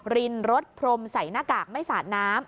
รินรถพรมใส่หน้ากากไม่สาดน้ำ